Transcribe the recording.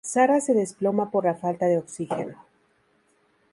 Sarah se desploma por la falta de oxígeno.